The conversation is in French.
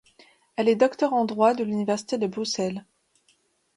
Elle est docteur en droit de l'Université de Bruxelles.